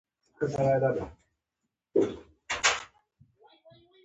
آزاد تجارت مهم دی ځکه چې واکسینونه رسوي.